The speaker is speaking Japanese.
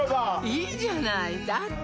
いいじゃないだって